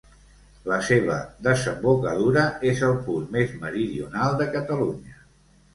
La seva desembocadura és el punt més meridional de Catalunya.